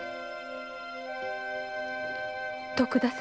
徳田様。